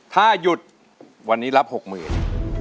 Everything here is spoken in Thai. ถ้ายุดวันนี้รับหกหมื่น